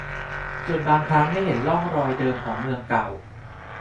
จนบางครั้งไม่เห็นร่องรอยเดิมของเมืองเก่า